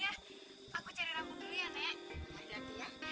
aku cari rambut dulu ya nek